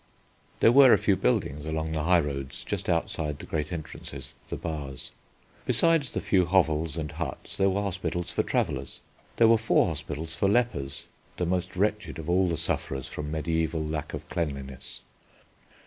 There were a few buildings along the high roads just outside the great entrances, the Bars. Besides the few hovels and huts there were hospitals for travellers. There were four hospitals for lepers, the most wretched of all the sufferers from mediæval lack of cleanliness.